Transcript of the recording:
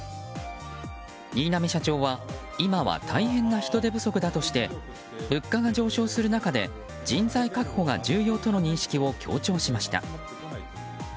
新浪社長は、今は大変な人手不足だとして物価が上昇する中で人材確保が重要との認識を強調しました。